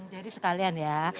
jadi sekalian ya